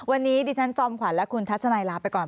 วันนี้ดิฉันจอมขวัญและคุณทัศนัยลาไปก่อน